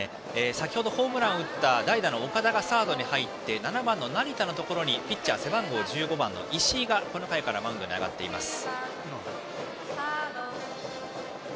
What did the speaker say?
先ほどホームランを打った代打、岡田がサードに入って７番の成田のところにピッチャー背番号１５番の石井がこの回からマウンドに上がりました。